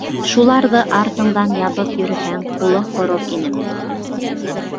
Шуларҙы артыңдан ябып йөрөһәң, ҡулың ҡорор инеме?!